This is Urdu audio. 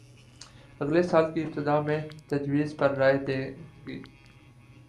اگلے سال کی ابتدا میں تجویز پر رائے دے گی